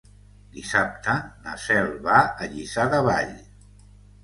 Dissabte na Cel va a Lliçà de Vall.